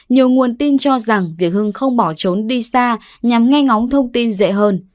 nhiều nguồn tin cho rằng việc hưng không bỏ trốn đi xa nhằm nghe ngóng thông tin dễ hơn